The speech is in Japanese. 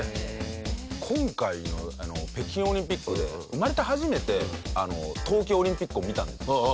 今回の北京オリンピックで生まれて初めて冬季オリンピックを見たんですよ。